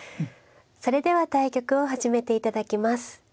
それでは対局を始めて頂きます。